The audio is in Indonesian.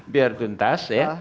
biar tuntas ya